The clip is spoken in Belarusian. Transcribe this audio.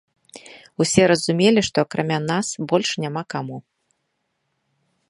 Усе разумелі, што акрамя нас больш няма каму.